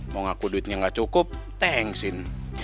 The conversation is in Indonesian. mau ngaku duitnya gak cukup thanksin